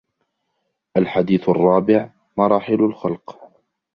الحديث الرابع: مراحل الخلق